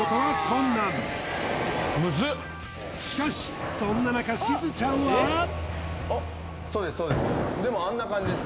しかしそんな中しずちゃんはそうですそうですでもあんな感じです